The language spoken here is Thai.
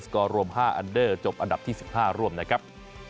ก็รวม๕อันเดอร์จบอันดับที่๑๕ร่วมนะครับ